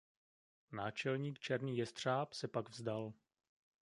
Náčelník Černý jestřáb se pak vzdal.